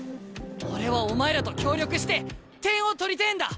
俺はお前らと協力して点を取りてえんだ！